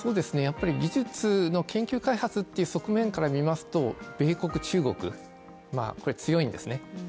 やっぱり技術の研究開発っていう側面から見ますと、米国、中国が強いんですね。